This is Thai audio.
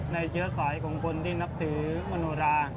เชื้อสายของคนที่นับถือมโนรา